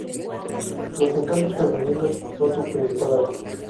Los encantos femeninos son su principal arma.